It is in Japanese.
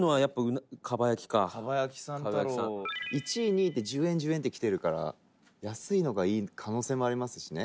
二階堂：１位、２位って１０円、１０円って来てるから安いのがいい可能性もありますしね。